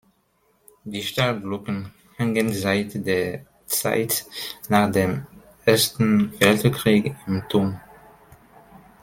Die Stahlglocken hängen seit der Zeit nach dem Ersten Weltkrieg im Turm.